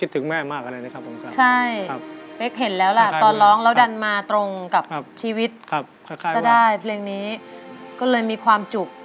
ท่านเป็นผู้ที่เลี้ยงมา